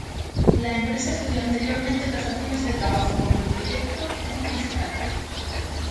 La empresa estudió anteriormente otras opciones de trabajo, como el proyecto "Q Digital".